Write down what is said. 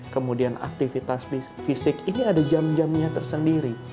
kemudian aktivitas fisik ini ada jam jamnya tersendiri